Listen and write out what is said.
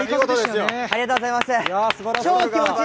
ありがとうございます。